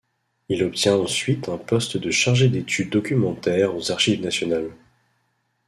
Il obtient ensuite un poste de chargé d'études documentaires aux Archives nationales.